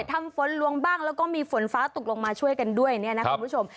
ทำฝนลวงบ้างแล้วก็มีฝนฟ้าตกลงมาช่วยกันด้วยเนี่ยนะคุณผู้ชม